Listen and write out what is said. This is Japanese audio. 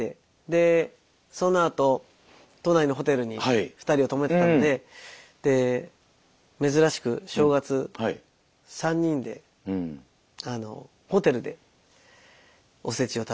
でそのあと都内のホテルに２人を泊めてたのでで珍しく正月３人でホテルでおせちを食べたりとかして過ごせて。